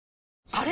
あれ？